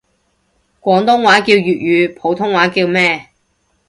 廣東話叫粵語，普通話叫咩？